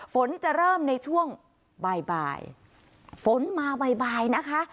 ฝนจะเริ่มในช่วงบ่ายบ่ายฝนมาบ่ายนะคะ